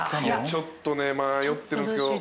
ちょっと迷ってるんですけど。